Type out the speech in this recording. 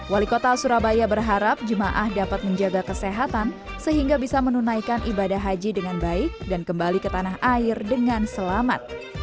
wali kota surabaya berharap jemaah dapat menjaga kesehatan sehingga bisa menunaikan ibadah haji dengan baik dan kembali ke tanah air dengan selamat